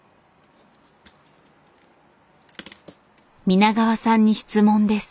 皆川さんに質問です。